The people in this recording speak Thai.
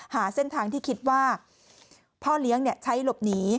หาเส้นทางที่คิดว่าพ่อเลี้ยงใช้หลบหนี